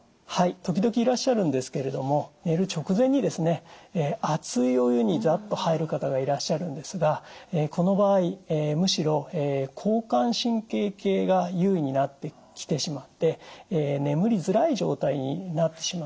時々いらっしゃるんですけれども寝る直前に熱いお湯にザッと入る方がいらっしゃるんですがこの場合むしろ交感神経系が優位になってきてしまって眠りづらい状態になってしまうんですね。